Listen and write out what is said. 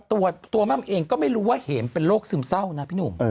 ตัวม่ำเองก็ไม่รู้ว่าเห็มเป็นโรคซึมเศร้านะพี่หนุ่ม